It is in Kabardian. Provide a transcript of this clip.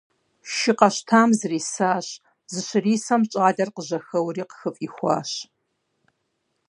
Шы къэщтам зрисащ, зыщрисэм щӏалэр къыжьэхэуэри къыхыфӀихуащ.